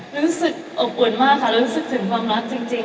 รู้สึกอบอุ่นมากค่ะรู้สึกถึงความรักจริง